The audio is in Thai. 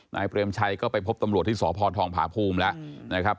นายเปรียมชัยก็ไปพบตำรวจทั้งสศภทองท์ผาภูมิละนะครับ